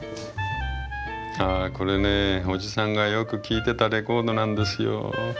あこれねおじさんがよく聴いてたレコードなんですよ。